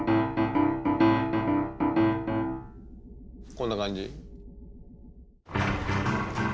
こんな感じ？